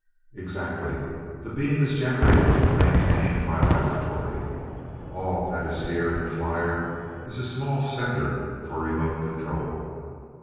"Exactly. The beam is generated and maintained in my laboratory. All that is here in the flier is a small sender, for remote control."